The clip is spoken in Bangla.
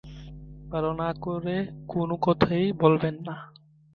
ভালো করে কোনো কথাই বললেন না।